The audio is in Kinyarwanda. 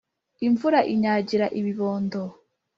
imvura inyagira ibibondo